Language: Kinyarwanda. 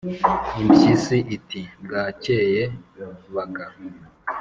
impyisi iti : “bwakeye baka!”